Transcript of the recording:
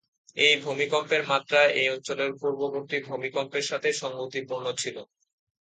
এই ভূমিকম্পের মাত্রা এই অঞ্চলের পূর্ববর্তী ভূমিকম্পের সাথে সঙ্গতিপূর্ণ ছিল।